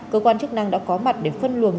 cơ quan chức năng đã có mặt để phân luồng